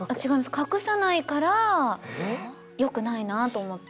隠さないからよくないなと思って。